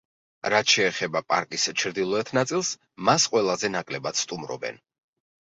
რაც შეეხება პარკის ჩრდილოეთ ნაწილს, მას ყველაზე ნაკლებად სტუმრობენ.